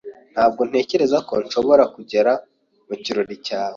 Ntabwo ntekereza ko nshobora kugera mu kirori cyawe.